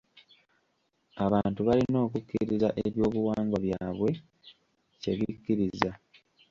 Abantu balina okukkiriza ebyobuwangwa byabwe kyebikkiriza.